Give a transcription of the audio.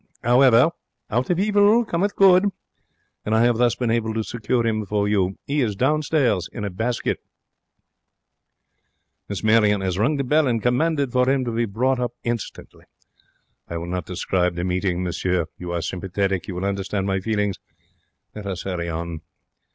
'Owever, out of evil cometh good, and I have thus been able to secure 'im for you. 'E is downstairs in a basket!' Miss Marion 'as rung the bell and commanded for him to be brought instantly. I will not describe the meeting, monsieur. You are sympathetic. You will understand my feelings. Let us 'urry on.